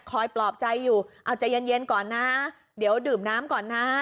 ปลอบใจอยู่เอาใจเย็นก่อนนะเดี๋ยวดื่มน้ำก่อนนะ